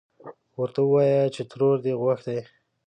ورته ووايه چې ترور دې غوښتې.